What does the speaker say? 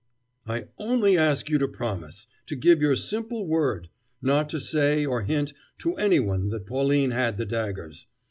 "I only ask you to promise to give your simple word not to say, or hint, to anyone that Pauline had the daggers.